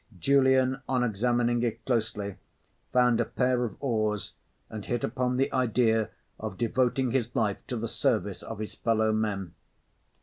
Julian, on examining it closely, found a pair of oars and hit upon the idea of devoting his life to the service of his fellow men.